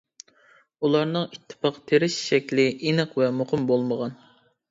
ئۇلارنىڭ ئىتتىپاق تىرىش شەكلى ئېنىق ۋە مۇقىم بولمىغان.